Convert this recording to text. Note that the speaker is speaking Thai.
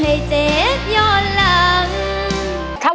ผ่านยกที่สองไปได้นะครับคุณโอ